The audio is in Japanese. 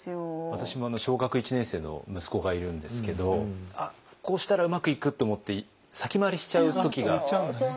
私も小学１年生の息子がいるんですけどこうしたらうまくいくと思って先回りしちゃう時があって。